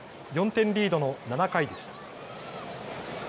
４点リードの７回でした。